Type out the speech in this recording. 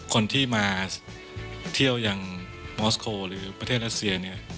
คนที่มาเที่ยวยังมอสโคลหรือประเทศรัสเซียเนี่ย